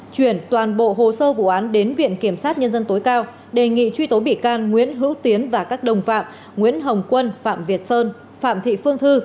chuyển toàn bộ hồ sơ vụ án đến viện kiểm sát nhân dân tối cao đề nghị truy tố bị can nguyễn hữu tiến và các đồng phạm nguyễn hồng quân phạm việt sơn phạm thị phương thư